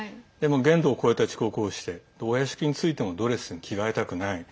限度を超えた遅刻をしてお屋敷に着いてもドレスに着替えたくない。